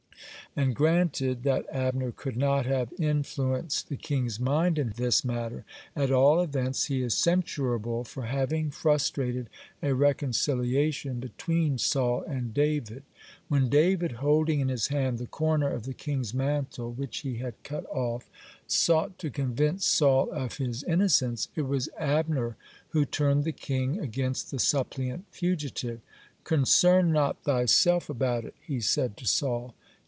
And granted that Abner could not have influenced the king's mind in this matter, (93) at all events he is censurable for having frustrated a reconciliation between Saul and David. When David, holding in his hand the corner of the king's mantle which he had cut off, sought to convince Saul of his innocence, it was Abner who turned the king against the suppliant fugitive. "Concern not thyself about it," he said to Saul.